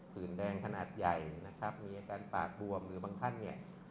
ื่นแดงขนาดใหญ่นะครับมีอาการปากบวมหรือบางท่านเนี่ย